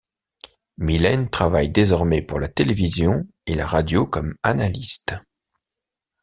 Millen travaille désormais pour la télévision et la radio comme analyste.